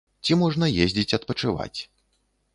Ці можна ездзіць адпачываць.